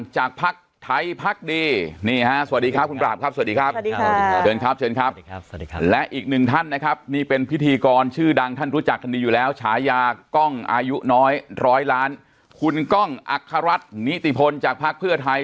จากภาพเพื่อไทยกล้องสวัสดีครับ